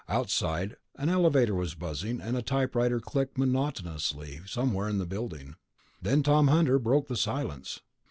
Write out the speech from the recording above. Outside, an elevator was buzzing, and a typewriter clicked monotonously somewhere in the building. Then Tom Hunter broke the silence.